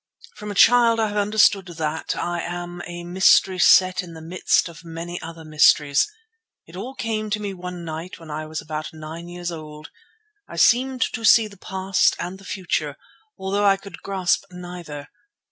From a child I have understood that I am a mystery set in the midst of many other mysteries. It all came to me one night when I was about nine years old. I seemed to see the past and the future, although I could grasp neither.